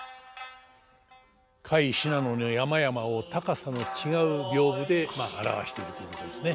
甲斐信濃の山々を高さの違う屏風で表しているということですね。